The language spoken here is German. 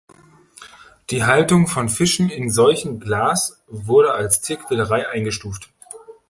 Die Haltung von Fischen in einem solchen Glas wurde als Tierquälerei eingestuft.